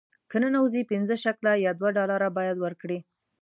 که ننوځې پنځه شکله یا دوه ډالره باید ورکړې.